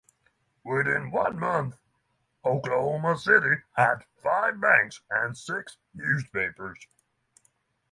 Within one month, Oklahoma City had five banks and six newspapers.